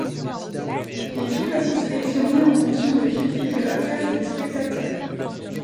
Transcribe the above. Les films sont sélectionnés en fonction des critiques de la presse et des spectateurs.